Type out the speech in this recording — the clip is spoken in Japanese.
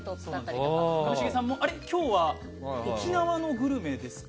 上重さんも今日は沖縄のグルメですか？